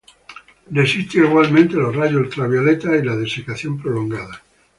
Resiste igualmente los rayos ultravioletas y la desecación prolongada.